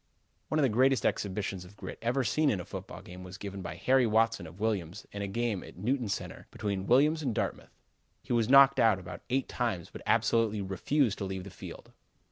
One of the greatest exhibitions of grit ever seen in a football game was given by Harry Watson of Williams in a game at Newton Center between Williams and Dartmouth. He was knocked out about eight times but absolutely refused to leave the field.